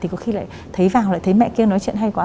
thì có khi lại thấy vàng lại thấy mẹ kia nói chuyện hay quá